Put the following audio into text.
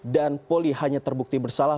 dan poli hanya terbukti bersalah